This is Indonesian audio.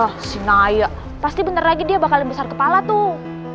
ah si naya pasti bentar lagi dia bakalan besar kepala tuh